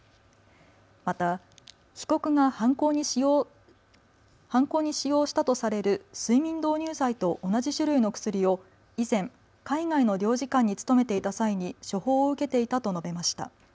また被告が犯行に使用したとされる睡眠導入剤と同じ種類の薬を以前、海外の領事館に勤めていた際に処方を受けていたと述べました。